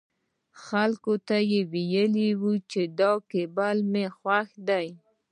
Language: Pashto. خلکو ته يې ويل چې دا کېبل مو خوښ دی.